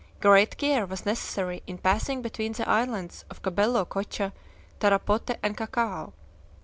Great care was necessary in passing between the islands of Cabello Cocha, Tarapote, and Cacao.